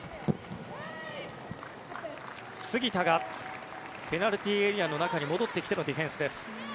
杉田がペナルティーエリアの中に戻ってきてのディフェンスです。